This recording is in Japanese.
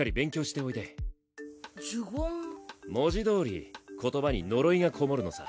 文字どおり言葉に呪いがこもるのさ。